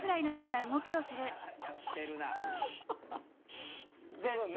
やってるな！